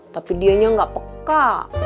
tapi dianya gak peka